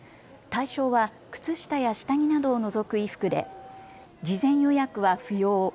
対象は靴下や下着などを除く衣服で事前予約は不要。